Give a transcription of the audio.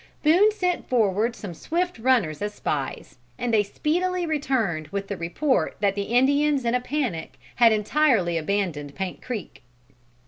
Boone sent forward some swift runners as spies, and they speedily returned with the report that the Indians in a panic had entirely abandoned Paint Creek.